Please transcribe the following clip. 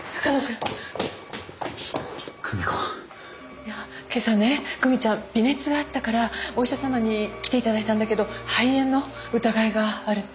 いや今朝ね久美ちゃん微熱があったからお医者様に来ていただいたんだけど肺炎の疑いがあるって。